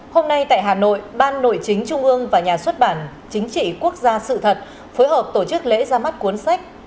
hôm nay tại hà nội ban nội chính trung ương và nhà xuất bản chính trị quốc gia sự thật phối hợp tổ chức lễ ra mắt cuốn sách